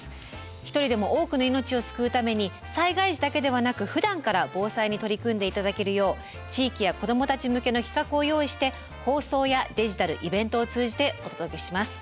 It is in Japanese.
一人でも多くの命を救うために災害時だけではなくふだんから防災に取り組んでいただけるよう地域や子供たち向けの企画を用意して放送やデジタルイベントを通じてお届けします。